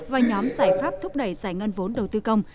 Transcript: và nhóm giải pháp thúc đẩy giải ngân vốn đầu tư công